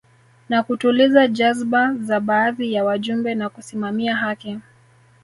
Na kutuliza jazba za baadhi ya wajumbe na kusimamia haki